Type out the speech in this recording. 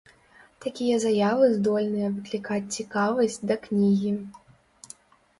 Такія заявы здольныя выклікаць цікавасць да кнігі.